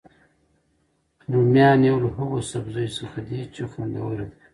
رومیان یو له هغوسبزیو څخه دي چې خوندور دي